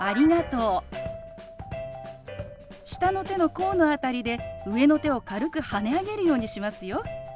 下の手の甲の辺りで上の手を軽くはね上げるようにしますよ。